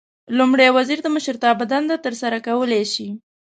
لومړی وزیر د مشرتابه دنده ترسره کولای شي.